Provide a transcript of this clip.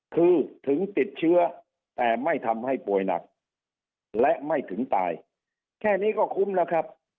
คือถึงติดเชื้อแต่ไม่ทำให้ป่วยหนักและไม่ถึงตายแค่นี้ก็คุ้มแล้วครับ